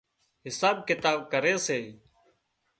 حساب ڪتاب ڪري سي